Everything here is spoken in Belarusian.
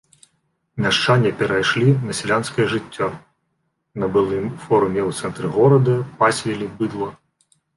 Мяшчане перайшлі на сялянскае жыццё, на былым форуме ў цэнтры горада пасвілі быдла.